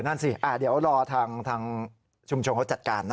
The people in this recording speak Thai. นั่นสิเดี๋ยวรอทางชุมชนเขาจัดการนะ